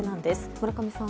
村上さん。